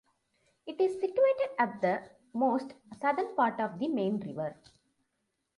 It is situated at the most southern point of the Main river.